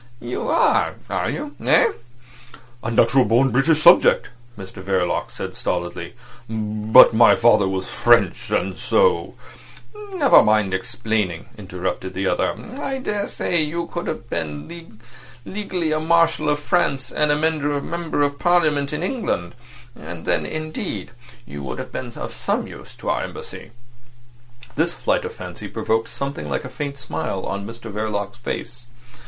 "You are! Are you? Eh?" "A natural born British subject," Mr Verloc said stolidly. "But my father was French, and so—" "Never mind explaining," interrupted the other. "I daresay you could have been legally a Marshal of France and a Member of Parliament in England—and then, indeed, you would have been of some use to our Embassy." This flight of fancy provoked something like a faint smile on Mr Verloc's face.